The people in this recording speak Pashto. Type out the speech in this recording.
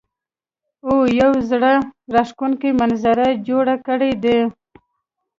او يو زړۀ راښکونکے منظر يې جوړ کړے دے ـ